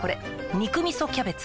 「肉みそキャベツ」